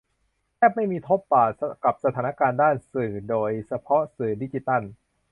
แทบไม่มีทบบาท กับสถานการณ์ด้านสื่อโดยเฉพาะสื่อดิจิทัล